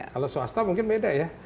kalau swasta mungkin beda ya